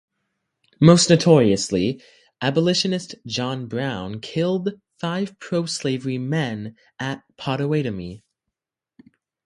Most notoriously, abolitionist John Brown killed five pro-slavery men at Pottawatomie.